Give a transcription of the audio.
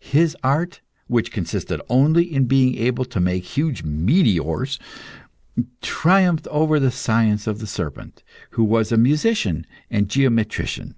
His art, which consisted only in being able to make huge meteors, triumphed over the science of the serpent, who was a musician and geometrician.